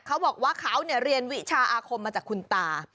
เขาบอกว่าเขาเรียนวิชาอาคมมาจากคุณตา